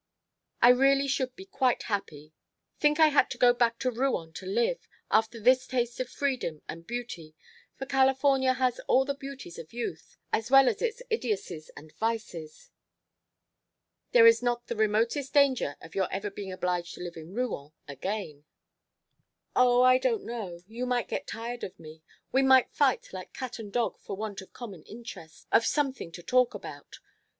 I really should be quite happy. Think if I had to go back to Rouen to live after this taste of freedom, and beauty for California has all the beauties of youth as well as its idiocies and vices " "There is not the remotest danger of your ever being obliged to live in Rouen again " "Oh, I don't know. You might get tired of me. We might fight like cat and dog for want of common interests, of something to talk about.